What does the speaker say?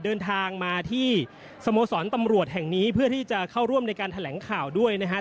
เดินทางมาที่สโมสรตำรวจแห่งนี้เพื่อที่จะเข้าร่วมในการแถลงข่าวด้วยนะครับ